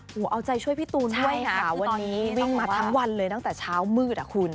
โอ้โหเอาใจช่วยพี่ตูนด้วยค่ะวันนี้วิ่งมาทั้งวันเลยตั้งแต่เช้ามืดอ่ะคุณ